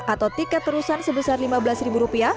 atau tiket terusan sebesar rp lima belas